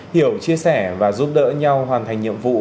hiểu chia sẻ và giúp đỡ nhau hoàn thành nhiệm vụ